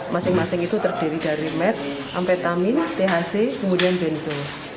masing masing itu terdiri dari med amfetamin thc kemudian benzo